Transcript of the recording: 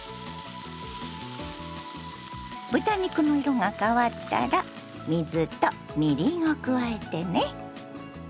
豚肉の色が変わったら水とみりんを加えてね。